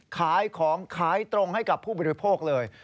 ขายของขายตรงให้กับผู้บริโภคเลย